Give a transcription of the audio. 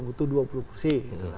butuh dua puluh kursi